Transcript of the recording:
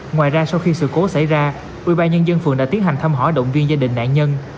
ngoài ra sau khi sự cố xảy ra quỹ ba nhân dân phường đã tiến hành thăm hỏi động viên gia đình nạn nhân